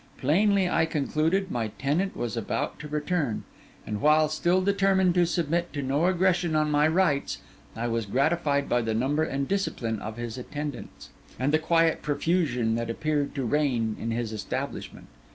Plainly, I concluded, my tenant was about to return; and while still determined to submit to no aggression on my rights, I was gratified by the number and discipline of his attendants, and the quiet profusion that appeared to reign in his establishment.